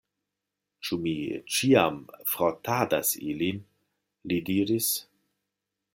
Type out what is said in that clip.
Ĉu mi ĉiam frotadas ilin? li diris.